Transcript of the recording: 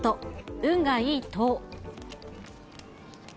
運がいいと。